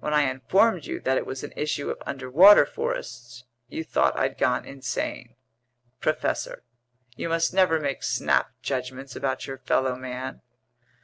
When I informed you that it was an issue of underwater forests, you thought I'd gone insane. Professor, you must never make snap judgments about your fellow man."